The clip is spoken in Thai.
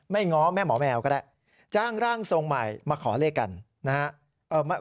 ง้อแม่หมอแมวก็ได้จ้างร่างทรงใหม่มาขอเลขกันนะครับ